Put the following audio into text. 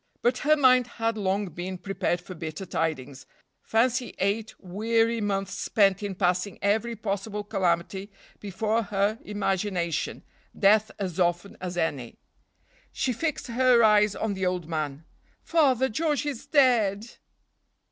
But her mind had long been prepared for bitter tidings. Fancy eight weary months spent in passing every possible calamity before her imagination, death as often as any. She fixed her eyes on the old man. "Father, George is dead!"